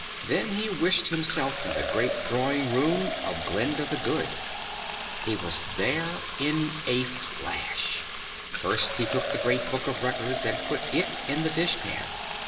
Then he wished himself in the great drawing room of Glinda the Good. He was there in a flash. First he took the Great Book of Records and put it in the dishpan.